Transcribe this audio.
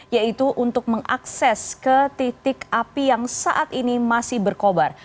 yaitu untuk mengakses ke titik api yang saat ini masih berkobar